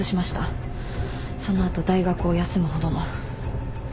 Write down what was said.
その後大学を休むほどの。